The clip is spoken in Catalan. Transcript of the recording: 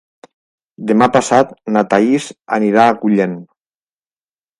Demà passat na Thaís anirà a Agullent.